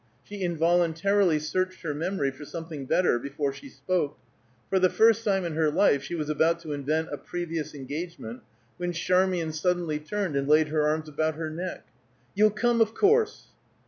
She involuntarily searched her memory for something better before she spoke; for the first time in her life she was about to invent a previous engagement, when Charmian suddenly turned and laid her arms about her neck. "You'll come, of course!"